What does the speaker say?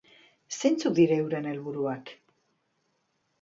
Zeintzuk dira euren helburuak?